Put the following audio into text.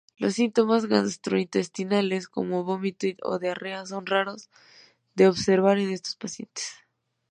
Los síntomas gastrointestinales como vómito o diarrea son raros de observar en estos pacientes.